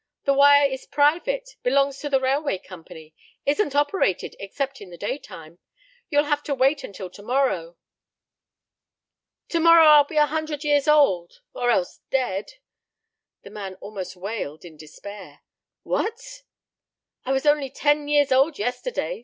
The wire is private belongs to the railroad company isn't operated except in the daytime. You'll have to wait until to morrow." "To morrow I'll be a hundred years old, or else dead," the man almost wailed in despair. "What?" "I was only ten years old yesterday.